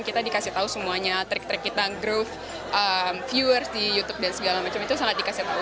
kita dikasih tahu semuanya trik trik kita groove viewers di youtube dan segala macam itu sangat dikasih tahu